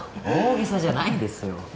大げさじゃないですよ。